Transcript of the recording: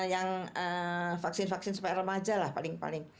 yang vaksin vaksin supaya remaja lah paling paling